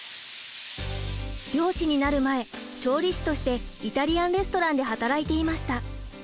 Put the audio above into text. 漁師になる前調理師としてイタリアン・レストランで働いていました。